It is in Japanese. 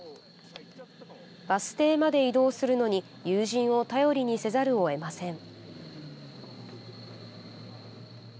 バス停まで移動するのに友人を頼りにせざるを得ません。